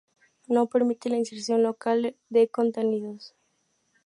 No permite la inserción local de contenidos.